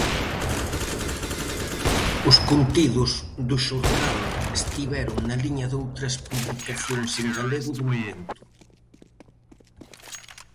Os contidos do xornal estiveron na liña doutras publicacións en galego do momento.